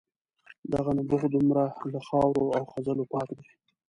دغه نبوغ دومره له خاورو او خځلو پاک دی.